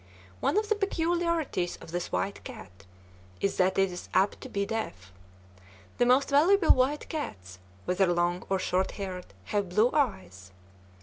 One of the peculiarities of this white cat is that it is apt to be deaf. The most valuable white cats, whether long or short haired, have blue eyes.